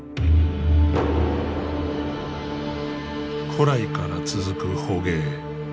古来から続く捕鯨。